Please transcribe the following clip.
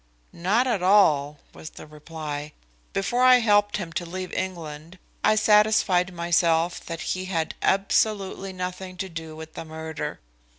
"Not at all," was the reply. "Before I helped him to leave England I satisfied myself that he had absolutely nothing to do with the murder.